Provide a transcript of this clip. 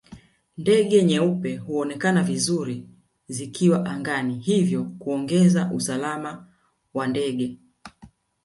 Ndege nyeupe huonekana vizuri zikiwa angani hivyo kuongeza usalama wa ndege